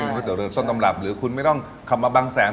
ต่อไปกินเต๋วเรือส้นตำรับหรือคุณไม่ต้องขับมาบางแสนน่ะ